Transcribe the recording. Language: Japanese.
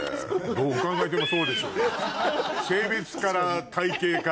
どう考えてもそうでしょう。